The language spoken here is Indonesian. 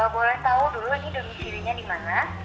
boleh tahu dulu ini domisirinya di mana